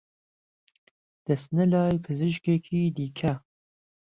دەچنە لای پزیشکێکی دیکە